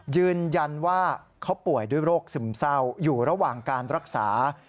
ยืนยันว่าเขาป่วยด้วยโรคซึมเศร้าอยู่ระหว่างการรักษา